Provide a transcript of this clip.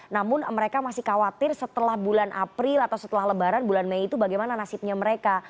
namun mereka masih khawatir setelah bulan april atau setelah lebaran bulan mei itu bagaimana nasibnya mereka